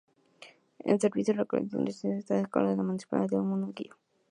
El servicio de recolección de residuos está a cargo de la Municipalidad de Unquillo.